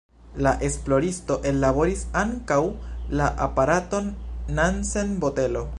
La esploristo ellaboris ankaŭ la aparaton Nansen-botelo.